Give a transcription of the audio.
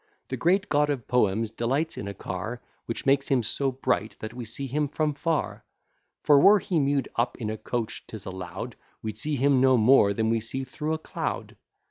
The great god of poems delights in a car, Which makes him so bright that we see him from far; For, were he mew'd up in a coach, 'tis allow'd We'd see him no more than we see through a cloud.